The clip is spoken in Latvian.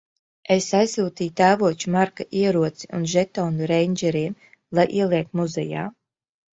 Es aizsūtīju tēvoča Marka ieroci un žetonu reindžeriem - lai ieliek muzejā.